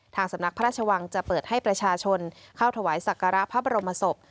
สำนักพระราชวังจะเปิดให้ประชาชนเข้าถวายสักการะพระบรมศพ